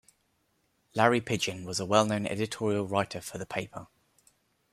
Larry Pidgeon was a well-known editorial writer for the paper.